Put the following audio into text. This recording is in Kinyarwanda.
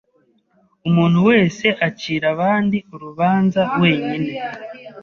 Umuntu wese acira abandi urubanza wenyine.